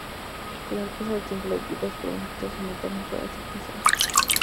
Con el paso del tiempo las bebidas carbonatadas aumentaron su aceptación.